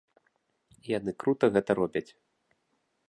І яны крута гэта робяць.